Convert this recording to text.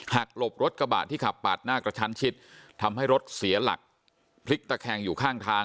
หลบรถกระบะที่ขับปาดหน้ากระชั้นชิดทำให้รถเสียหลักพลิกตะแคงอยู่ข้างทาง